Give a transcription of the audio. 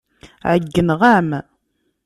Ɛeyyneɣ-am.